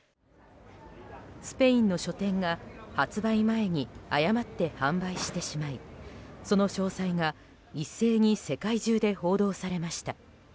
スペインの書店が発売前に誤って販売してしまいその詳細が一斉に世界中で報道されました。